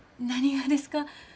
何がですか？